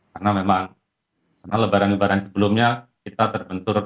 karena memang lebaran lebaran sebelumnya kita terpaksa